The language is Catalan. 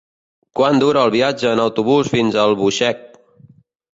Quant dura el viatge en autobús fins a Albuixec?